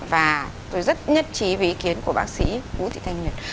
và tôi rất nhất trí với ý kiến của bác sĩ vũ thị thanh nguyệt